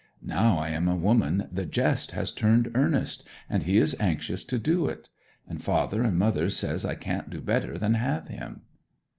Now I am a woman the jest has turned earnest, and he is anxious to do it. And father and mother says I can't do better than have him.'